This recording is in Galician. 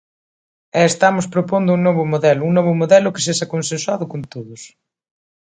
E estamos propondo un novo modelo, un novo modelo que sexa consensuado con todos.